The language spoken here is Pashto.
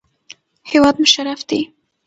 هېواد مو شرف دی